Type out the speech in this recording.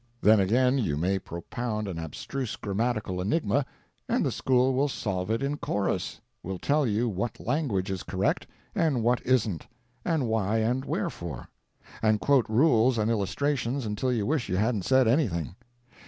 Then, again, you may propound an abstruse grammatical enigma, and the school will solve it in chorus—will tell you what language is correct, and what isn't; and why and wherefore; and quote rules and illustrations until you wish you hadn't said anything.